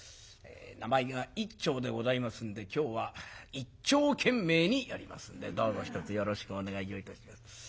名前が「いっちょう」でございますんで今日はいっちょう懸命にやりますんでどうぞひとつよろしくお願いをいたします。